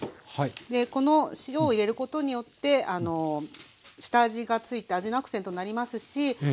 この塩を入れることによって下味がついて味のアクセントになりますしあと火通りがよくなります。